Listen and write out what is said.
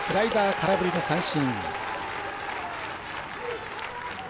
空振りの三振。